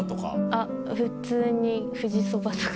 あっ普通に富士そばとか。